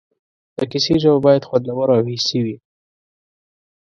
د کیسې ژبه باید خوندوره او حسي وي.